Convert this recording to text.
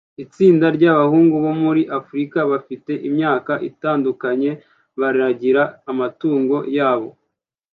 Itsinda ryabahungu bo muri Afrika bafite imyaka itandukanye baragira amatungo yabo